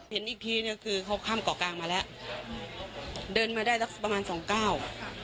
เห็นอีกทีเนี้ยคือเขาข้ามเกาะกลางมาแล้วอืมเดินมาได้สักประมาณสองเก้าค่ะ